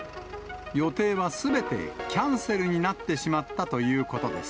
予定はすべてキャンセルになってしまったということです。